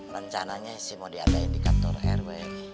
rencananya sih mau diadain di kantor rw